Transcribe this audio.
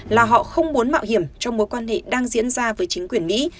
là họ không muốn mạo hiểm trong mối quan hệ đang diễn ra với chính quyền mỹ